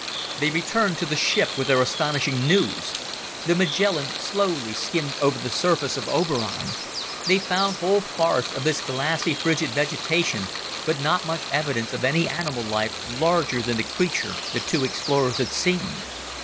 They returned to the ship with their astonishing news. The Magellan slowly skimmed over the surface of Oberon. They found whole forests of this glassy frigid vegetation, but not much evidence of any animal life larger than the creature the two explorers had seen.